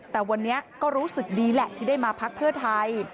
แต่วันนี้ก็รู้สึกดีแหละที่ได้มาพักเพื่อไทย